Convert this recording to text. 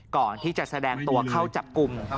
ก่อนที่จะแสดงตัวเข้าจับกลุ่ม